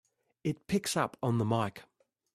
It picks up on the mike!